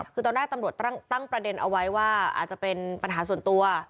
คือตอนแรกตำรวจตั้งประเด็นเอาไว้ว่าอาจจะเป็นปัญหาส่วนตัว